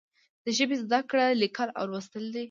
د ژبې زده کړه لیکل او لوستل دي.